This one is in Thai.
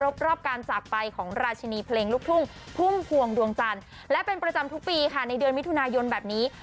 รอบการจากไปของราชินีเพลงลูกทุ่งพุ่มพวงดวงจันทร์และเป็นประจำทุกปีค่ะในเดือนมิถุนายนแบบนี้